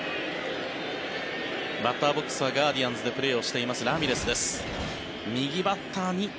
バッターボックスはガーディアンズでプレーをしていますラミレスです。